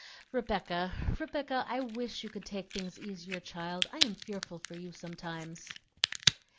"Rebecca! Rebecca! I wish you could take things easier, child; I am fearful for you sometimes."